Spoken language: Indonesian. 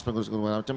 mengukur segala macam